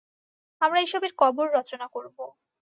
আমরা এসবের কবর রচনা করব।